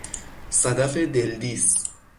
صدف دلدیس